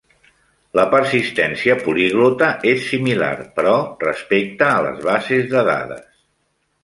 La persistència poliglota és similar, però respecte a les bases de dades.